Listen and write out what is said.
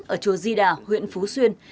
ở chùa di đà huyện phú xuyên